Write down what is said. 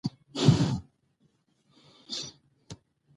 د اداري فساد مخنیوی د ولس باور پیاوړی کوي.